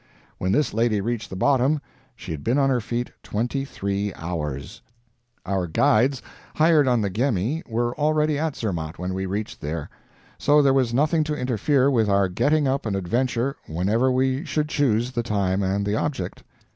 When this lady reached the bottom, she had been on her feet twenty three hours! Our guides, hired on the Gemmi, were already at Zermatt when we reached there. So there was nothing to interfere with our getting up an adventure whenever we should choose the time and the object.